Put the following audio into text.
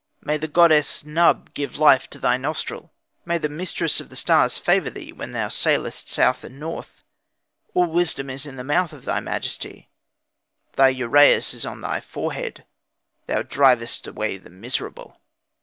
May the goddess Nub give life to thy nostril; May the mistress of the stars favour thee, when thou sailest south and north. All wisdom is in the mouth of thy majesty; Thy uraeus is on thy forehead, thou drivest away the miserable.